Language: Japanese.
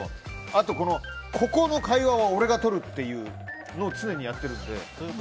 あと、ここの会話は俺がとるっていうのを常にやってるので。